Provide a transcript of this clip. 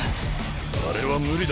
あれは無理だ。